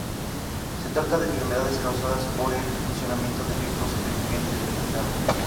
Se trata de enfermedades causadas por el funcionamiento defectuoso de un gen determinado.